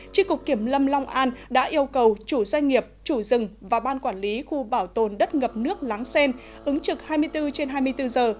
tri cục kiểm lâm long an đã yêu cầu chủ doanh nghiệp chủ rừng và ban quản lý khu bảo tồn đất ngập nước láng sen ứng trực hai mươi bốn trên hai mươi bốn giờ